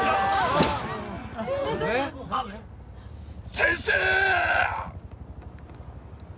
先生！！